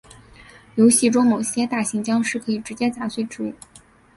游戏中某些大型僵尸可以直接砸碎植物。